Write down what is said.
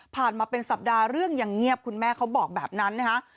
มาเป็นสัปดาห์เรื่องยังเงียบคุณแม่เขาบอกแบบนั้นนะคะ